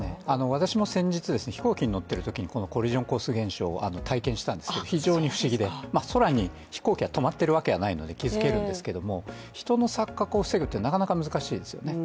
私も先日、飛行機に乗っているときにこのコリジョンコース現象を体験したんですけど、非常に不思議で空に飛行機が止まっているわけがないので気付けるんですけれども、人の錯覚を防ぐってなかなか難しいですよね。